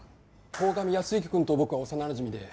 鴻上靖之くんと僕は幼なじみで。